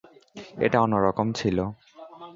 এটা অন্যরকম ছিল।